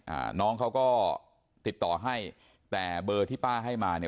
อ่าน้องเขาก็ติดต่อให้แต่เบอร์ที่ป้าให้มาเนี่ย